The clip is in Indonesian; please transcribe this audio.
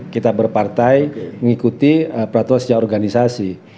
kita berpartai mengikuti peraturan sejak organisasi